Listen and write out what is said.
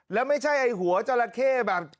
แล้วไม่ใช่ไอ้หัวจราเข้แบบ